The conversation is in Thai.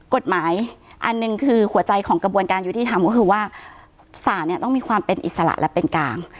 กฎหมายอันหนึ่งคือหัวใจของกระบวนการยุติธรรมก็คือว่าศาลเนี่ยต้องมีความเป็นอิสระและเป็นกลาง